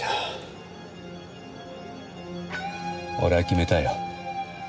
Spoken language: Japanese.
俺は決めたよ。